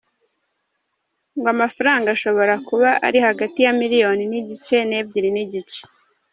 Ngo afaranga ashobora kuba ari hagati ya miliyoni n'igice nebyili nigice.